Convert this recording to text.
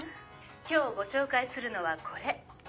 今日ご紹介するのはこれ。